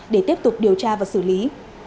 để tiếp tục điều tra và xử lý